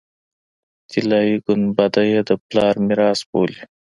طلایي ګنبده یې د پلار میراث بولي.